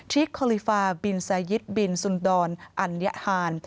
ทิศคอลิฟาบินซายิดบินสุนดรอันยะฮาน